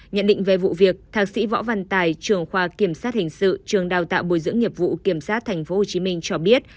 nhận định về vụ việc thạc sĩ võ văn tài trưởng khoa kiểm sát hình sự trường đào tạo bồi dưỡng nghiệp vụ kiểm sát tp hcm cho biết